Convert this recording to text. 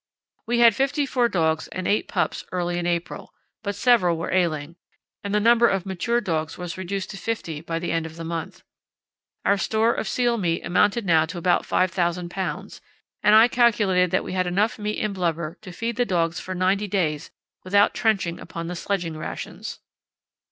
We had fifty four dogs and eight pups early in April, but several were ailing, and the number of mature dogs was reduced to fifty by the end of the month. Our store of seal meat amounted now to about 5000 lbs., and I calculated that we had enough meat and blubber to feed the dogs for ninety days without trenching upon the sledging rations.